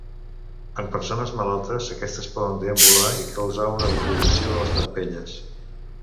En persones malaltes, aquestes poden deambular i causar una decoloració de les parpelles.